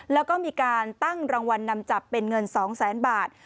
แล้วก็มีการตั้งรางวัลนำจับเป็นเงิน๒แสนบาท